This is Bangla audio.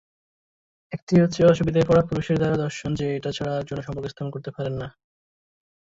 একটি হচ্ছে অসুবিধায় পড়া পুরুষের দ্বারা ধর্ষণ যে এটা ছাড়া আর যৌন সম্পর্ক স্থাপন করতে পারেন না।